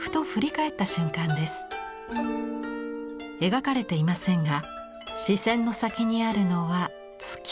描かれていませんが視線の先にあるのは月。